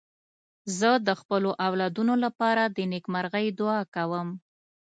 زه د خپلو اولادونو لپاره د نېکمرغۍ دعا کوم.